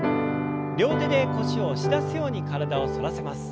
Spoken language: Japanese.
両手で腰を押し出すように体を反らせます。